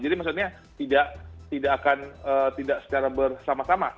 jadi maksudnya tidak akan secara bersama sama